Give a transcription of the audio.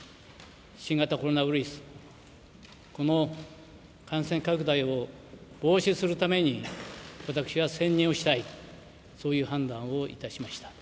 新型コロナウイルス、この感染拡大を防止するために、私は専任をしたい、そういう判断をいたしました。